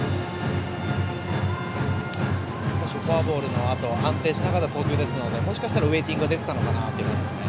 フォアボールのあとの投球ですのでもしかしたらウエイティングが出ていたのかなと思います。